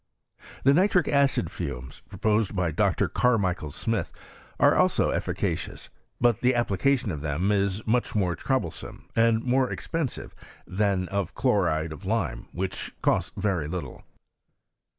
The nitric acid fumes, proposed by Dr. Carmichael Smith, are also eSca cious, but the application of them is much more troublesome and more expensive than of chloride of lime, which costs very little.